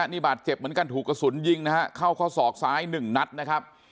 นี่บาดเจ็บเหมือนกันถูกกระสุนยิงนะฮะเข้าข้อศอกซ้ายหนึ่งนัดนะครับ